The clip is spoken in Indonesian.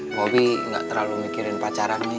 bobi enggak terlalu mikirin pacaran mi